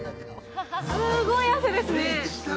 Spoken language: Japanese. すごい汗ですね。